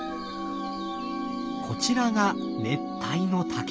こちらが熱帯の竹。